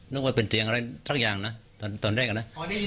นึกว่าเป็นเสียงอะไรสักอย่างนะตอนแรกอะนะ